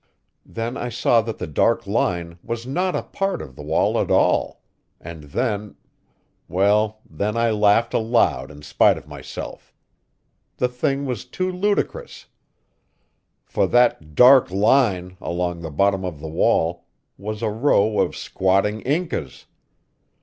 Then I saw that the dark line was not a part of the wall at all; and then well, then I laughed aloud in spite of myself. The thing was too ludicrous. For that "dark line" along the bottom of the wall was a row of squatting Incas!